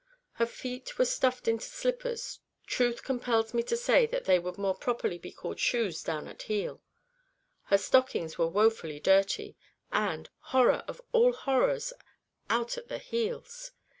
Her feet were stuffed into slippers truth compels me to say they would more properly be called shoes down at heel her stockings were wofully dirty, and, horror of all horrors, out at the heels!